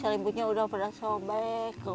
selimutnya udah pernah sobek waktu kebakar